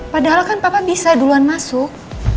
padahal kan papa bisa duluan masuk